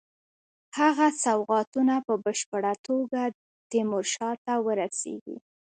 هغه سوغاتونه په بشپړه توګه تیمورشاه ته ورسیږي.